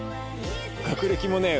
学歴もねえ